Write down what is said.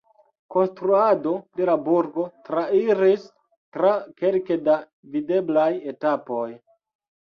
Konstruado de la burgo trairis tra kelke da videblaj etapoj.